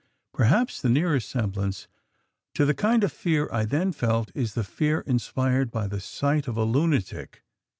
Perhaps the nearest semblance to the kind of fear I then felt is the fear inspired by the sight of a lunatic.